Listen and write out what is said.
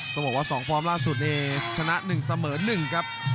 ต้องบอกว่าสองฟอร์มล่าสุดจะชนะหมาย๑เสมอ๑๑ครับ